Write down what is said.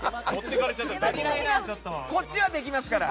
こっちはできますから。